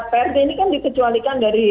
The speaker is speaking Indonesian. prj ini kan dikecualikan dari